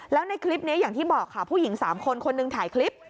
แล้วในคลิปนี้อย่างที่บอกค่ะผู้หญิง๓คนคนหนึ่งถ่ายคลิป